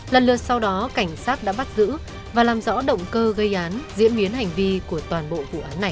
lần lượt sau đó cảnh sát đã bắt giữ và làm rõ động cơ gây án diễn biến hành vi của toàn bộ vụ án này